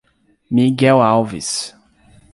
Miguel Alves